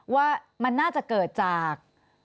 ว่ามันน่าจะเกิดจาก